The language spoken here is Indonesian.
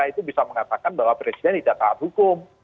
itu bisa mengatakan bahwa presiden tidak taat hukum